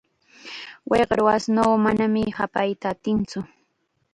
Wiqru ashnuu manam hapayta atintsu.